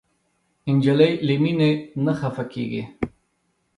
نجلۍ له مینې نه خفه کېږي.